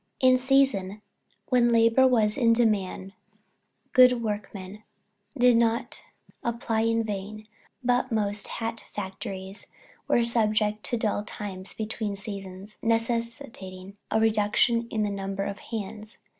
] In the "season" when labor was in demand good workmen did not apply in vain, but most hat factories were subject to dull times between seasons, necessitating a reduction in the number of hands.